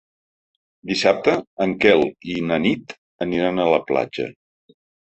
Dissabte en Quel i na Nit aniran a la platja.